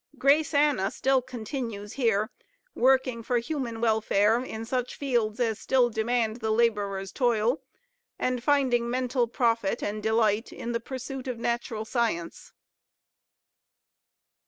Grace Anna still continues here, working for human welfare in such fields as still demand the laborer's toil; and finding mental profit and delight in the pursuit of natural science.